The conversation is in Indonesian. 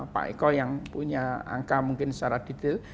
pak eko yang punya angka mungkin secara detail